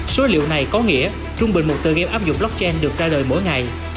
số liệu này có nghĩa trung bình một tờ game áp dụng blockchain được ra đời mỗi ngày